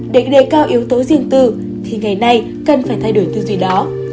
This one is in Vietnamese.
để đề cao yếu tố riêng tư thì ngày nay cần phải thay đổi thứ gì đó